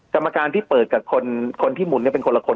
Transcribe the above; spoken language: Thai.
กรรมการที่เปิดกับคนที่หมุนเป็นคนละคน